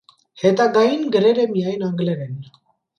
Հետագային գրեր է միայն անգլերէն։